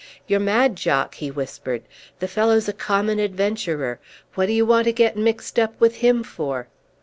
"You're mad, Jock," he whispered. "The fellow's a common adventurer. What do you want to get mixed up with him for?"